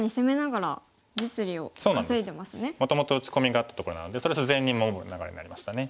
もともと打ち込みがあったところなのでそれを自然に守る流れになりましたね。